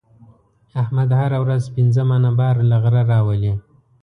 احمد هره ورځ پنځه منه بار له غره راولي.